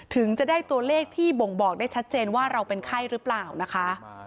ถึงจะได้ตัวเลขที่บ่งบอกได้ชัดเจนว่าเราเป็นไข้หรือเปล่านะคะ